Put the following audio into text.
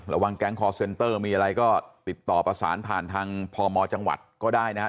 แก๊งคอร์เซ็นเตอร์มีอะไรก็ติดต่อประสานผ่านทางพมจังหวัดก็ได้นะครับ